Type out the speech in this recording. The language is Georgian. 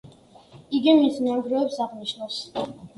იგი მის ნანგრევებს აღნიშნავს.